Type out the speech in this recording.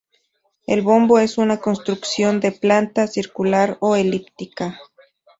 Un bombo es una construcción de planta circular o elíptica.